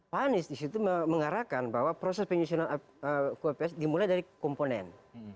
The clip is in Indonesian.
pak anies di situ mengarahkan bahwa proses penyusunan kps dimulai dari komponen